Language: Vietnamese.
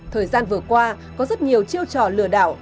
thời gian vừa qua có rất nhiều chiêu trò lừa đảo